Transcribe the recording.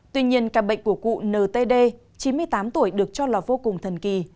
tuy nhiên ca bệnh của cụ ntd chín mươi tám tuổi được cho là vô cùng thần kỳ